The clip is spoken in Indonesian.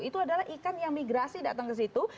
itu adalah ikan yang migrasi datang ke situ